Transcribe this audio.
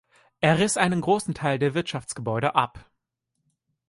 Er riss einen großen Teil der Wirtschaftsgebäude ab.